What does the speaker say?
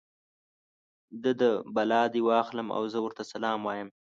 د ده بلا دې واخلي او زه ورته سلام وایم.